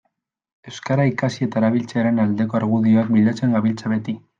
Euskara ikasi eta erabiltzearen aldeko argudioak bilatzen gabiltza beti.